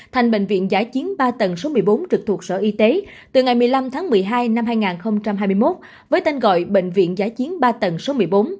thành bệnh viện giã chiến ba tầng số một mươi bốn trực thuộc sở y tế từ ngày một mươi năm tháng một mươi hai năm hai nghìn hai mươi một với tên gọi bệnh viện giã chiến ba tầng số một mươi bốn